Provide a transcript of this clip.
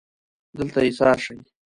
دلته ایسار شئ